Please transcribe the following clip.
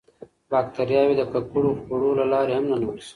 باکتریاوې د ککړو خوړو له لارې هم ننوځي.